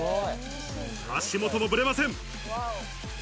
足元もぶれません。